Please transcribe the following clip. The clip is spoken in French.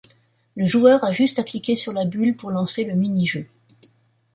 Le joueur a juste à cliquer sur la bulle pour lancer le mini jeu.